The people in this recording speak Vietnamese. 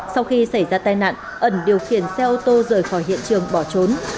sau khi xảy ra tai nạn ẩn điều khiển xe ô tô rời khỏi hiện trường bỏ trốn